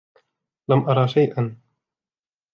لم أرى شيئا.